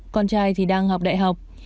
con trai thì đang học đại học